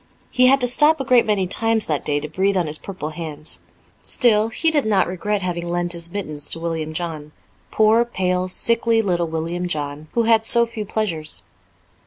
He had to stop a great many times that day to breathe on his purple hands. Still, he did not regret having lent his mittens to William John poor, pale, sickly little William John, who had so few pleasures.